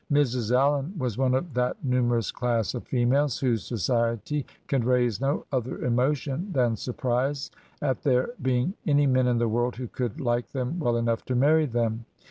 " Mrs. Allen was one of that numerous class of females whose society can raise no other emotion than surprise at there being any men in the world who could like them well enough to marry them.